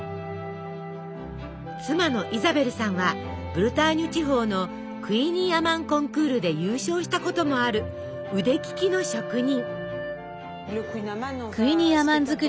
妻のイザベルさんはブルターニュ地方のクイニーアマンコンクールで優勝したこともある腕利きの職人。